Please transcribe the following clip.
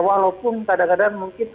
walaupun kadang kadang mungkin